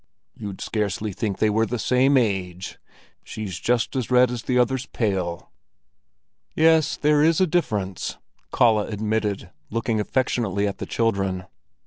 "You'd scarcely think they were the same age. She's just as red as the other's pale." "Yes, there is a difference," Kalle admitted, looking affectionately at the children.